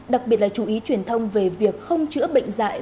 đặc biệt là chú ý truyền thông về việc không chữa bệnh dạy